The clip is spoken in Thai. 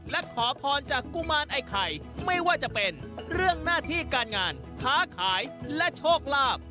และขอพรจากกุมารไอ้ไข่ไม่ว่าจะเป็นเรื่องหน้าที่การงานค้าขายและโชคลาภ